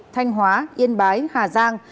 thanh hóa yên bái hà giang